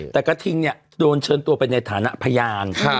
แต่กระทิงเนี่ยโดนเชิญตัวไปในฐานะพยาน